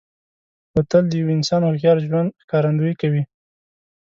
بوتل د یوه انسان هوښیار ژوند ښکارندوي کوي.